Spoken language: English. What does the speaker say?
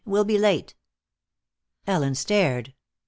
We'll be late." Ellen stared.